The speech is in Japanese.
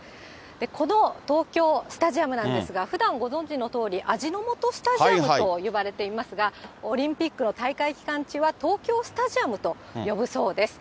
この東京スタジアムなんですが、ふだん、ご存じのとおり、味の素スタジアムと呼ばれていますが、オリンピックの大会期間中は、東京スタジアムと呼ぶそうです。